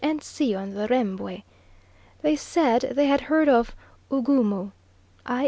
and C. on the Rembwe. They said they had heard of "Ugumu," i.